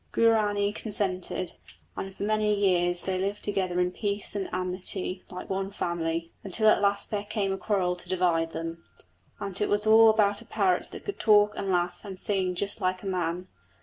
Guarani consented, and for many years they lived together in peace and amity like one family, until at last there came a quarrel to divide them. And it was all about a parrot that could talk and laugh and sing just like a man.